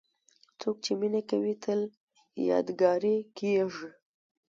څوک چې مینه کوي، تل یادګاري کېږي.